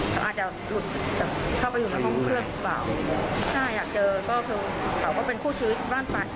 อยากได้เจอเป็นผู้ชีวิตร่านฟัน